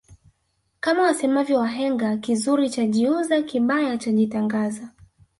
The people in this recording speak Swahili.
Kama wasemavyo wahenga kizuri chajiuza kibaya chajitangaza